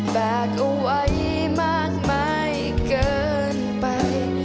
ฝากเอาไว้มากมายเกินไป